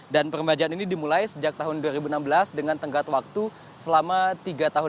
dan peremajaan ini dimulai sejak tahun dua ribu enam belas dengan tengkat waktu selama tiga tahun